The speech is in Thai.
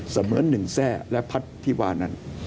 เสมือนหนึ่งแทร่และพัฒน์ที่ว่านั้น